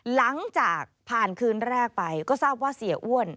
หลังจากผ่านคืนแรกไปก็ทราบว่าเสียอ้วน